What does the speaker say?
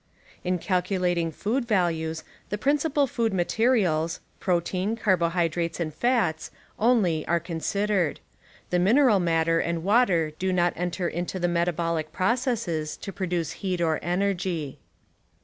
In calculating food values the principal food materials. — protein, carbohydrates and fats — only are considered ; the min eral matter and water do not enter into the metabolic processes to produce heat or energy.